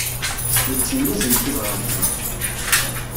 Nettemyazen tibṛatin.